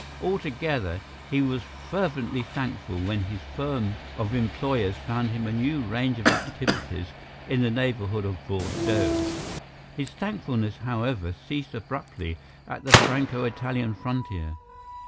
Altogether, he was fervently thankful when his firm of employers found him a new range of activities in the neighbourhood of Bordeaux. His thankfulness, however, ceased abruptly at the Franco Italian frontier.